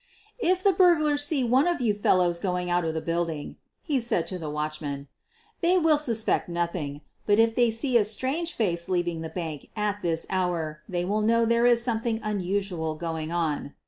"If the burglars see one of you fellows going out of the building," he said to the watchmen, "they will suspect nothing, but if they see a strange face leaving the bank at this hour they will know there is something unusual going on."